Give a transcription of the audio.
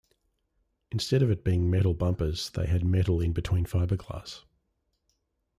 Instead of it being metal bumpers, they had metal in between fiberglass.